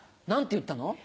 何て言ったの？